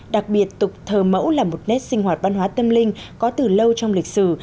đặc biệt tục thờ mẫu là một nét sinh hoạt văn hóa tâm linh có từ lâu trong lịch sử